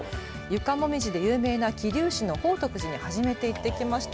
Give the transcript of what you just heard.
床もみじで有名な桐生市の宝徳寺に初めて行ってきました。